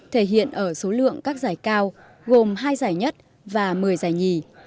thể hiện ở số lượng các giải cao gồm hai giải nhất và một mươi giải nhì